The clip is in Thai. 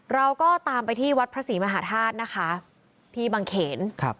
เราก็ตามไปที่วัดพระศรีมหาธาตุนะคะที่บางเขนครับ